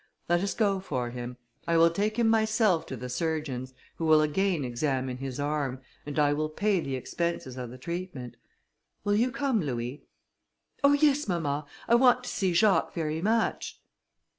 Let us go for him. I will take him myself to the surgeon's, who will again examine his arm, and I will pay the expenses of the treatment. Will you come, Louis?" "Oh! yes, mamma, I want to see Jacques very much."